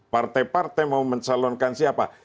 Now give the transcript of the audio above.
partai partai mau mencalonkan siapa